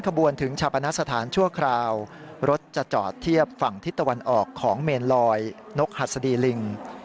ขบวนถึงชาปณสถานชั่วคราวรถจะจอดเทียบฝั่งทิศตะวันออกของเมนลอยนกหัสดีลิง